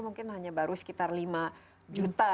mungkin hanya baru sekitar lima juta